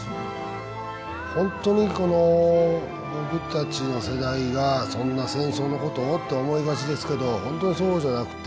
本当に僕たちの世代がそんな戦争のことをって思いがちですけど本当にそうじゃなくて。